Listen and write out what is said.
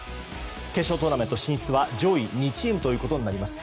決勝トーナメント進出は上位２チームとなります。